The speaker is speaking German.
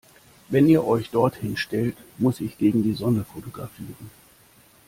Wenn ihr euch dort hinstellt, muss ich gegen die Sonne fotografieren.